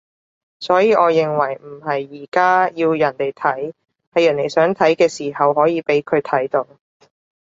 所以我認為唔係而家要人哋睇，係人哋想睇嘅時候可以畀佢睇到